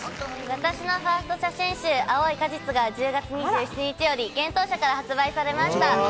私のファースト写真集『青い果実』が１０月２７日より幻冬舎から発売されました。